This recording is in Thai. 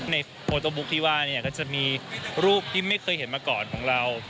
โมโต้บุ๊คที่ว่าเนี่ยก็จะมีรูปที่ไม่เคยเห็นมาก่อนของเรา